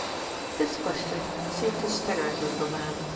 This question seemed to stagger the little man.